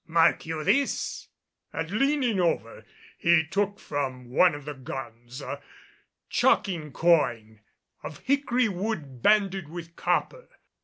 Mark you this," and leaning over, he took from one of the guns a chocking quoin of hickory wood banded with copper.